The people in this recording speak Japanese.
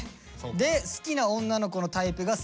で好きな女の子のタイプがセクシー。